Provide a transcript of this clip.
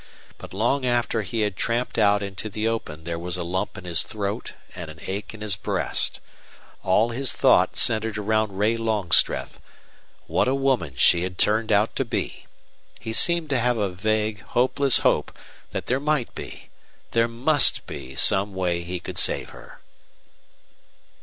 But long after he had tramped out into the open there was a lump in his throat and an ache in his breast. All his thought centered around Ray Longstreth. What a woman she had turned out to be! He seemed to have a vague, hopeless hope that there might be, there must be, some way he could save her.